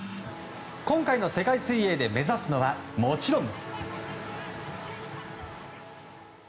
今回の世界水泳で目指すのはもちろん。